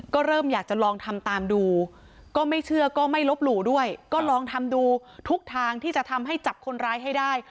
ก็เริ่มอยากจะลองทำตามดูก็ไม่เชื่อก็ไม่ลบหลู่ด้วยก็ลองทำดูทุกทางที่จะทำให้จับคนร้ายให้ได้